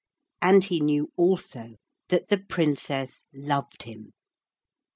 And he knew also that the Princess loved him.